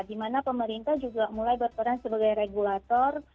di mana pemerintah juga mulai berperan sebagai regulator